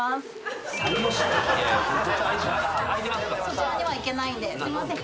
そちらにはいけないんですいません。